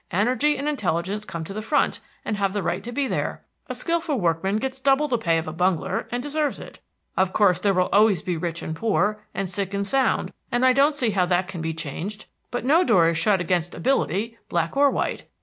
Energy and intelligence come to the front, and have the right to be there. A skillful workman gets double the pay of a bungler, and deserves it. Of course there will always be rich and poor, and sick and sound, and I don't see how that can be changed. But no door is shut against ability, black or white.